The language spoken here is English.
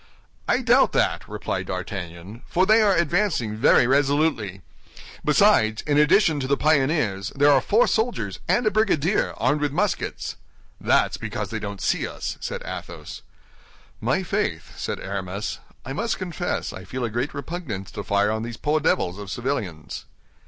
"I doubt that," replied D'Artagnan, "for they are advancing very resolutely. Besides, in addition to the pioneers, there are four soldiers and a brigadier, armed with muskets." "That's because they don't see us," said Athos. "My faith," said Aramis, "I must confess I feel a great repugnance to fire on these poor devils of civilians."